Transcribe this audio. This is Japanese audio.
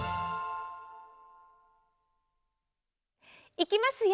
いきますよ。